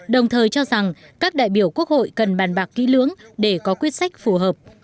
đồng thời cho rằng các đại biểu quốc hội cần bàn bạc kỹ lưỡng để có quyết sách phù hợp